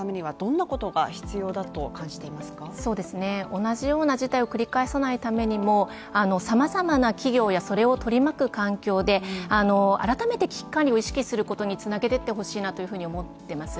同じような事態を繰り返さないためにも、様々な企業やそれを取り巻く環境で改めて危機管理を意識することに繋げていってほしいなというふうに思います。